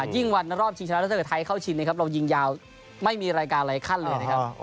ยิ่งวันนั้นรอบชิงชั้นแล้วถ้าเกิดไทยเข้าชินเรายิงยาวไม่มีรายการอะไรขั้นเลย